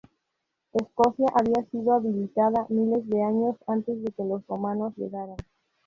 Escocia había sido habitada miles de años antes de que los romanos llegaran.